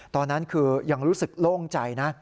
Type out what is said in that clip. ตอนนั้นคือยังรู้สึกโล่งใจนะ